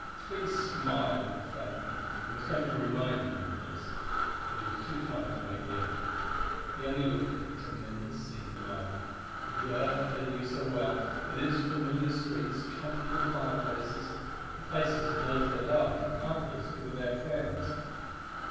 Clee smiled faintly, and was going to remind him of this; but he was too tired to make the effort. He only looked at the tremendous scene below: at the Earth they knew so well, with its familiar streets, comfortable fireplaces, the faces of those they loved and those others who were their friends....